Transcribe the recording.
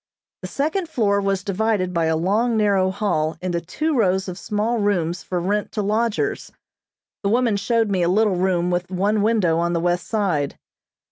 The second floor was divided by a long narrow hall into two rows of small rooms for rent to lodgers. The woman showed me a little room with one window on the west side.